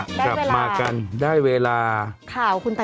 เอาแล้วค่ะใกล้มากันได้เวลาด้วยเวลา